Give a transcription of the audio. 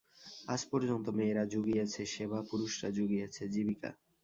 আজ পর্যন্ত মেয়েরা জুগিয়েছে সেবা, পুরুষরা জুগিয়েছে জীবিকা।